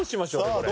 これ。